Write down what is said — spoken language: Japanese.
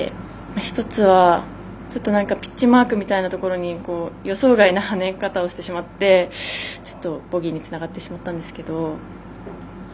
１つは、ちょっとピッチマークみたいなところに予想外な跳ね方をしてしまってちょっと、ボギーにつながってしまったんですけど。